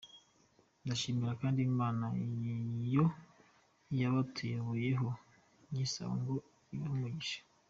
Ndashimira kandi Imana yo yabatuyoboyeho nyisaba ngo ibahe imigisha”.